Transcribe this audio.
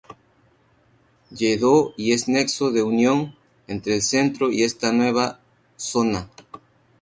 Lledó, y es nexo de unión entre el centro y esta nueva zona.